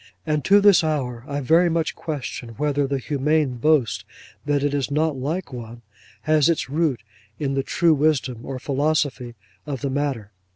And to this hour I very much question whether the humane boast that it is not like one, has its root in the true wisdom or philosophy of the matter.